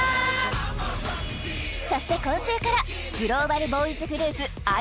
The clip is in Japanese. そして今週からグローバルボーイズグループ